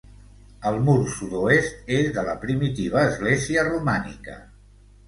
El mur sud-oest és de la primitiva església romànica.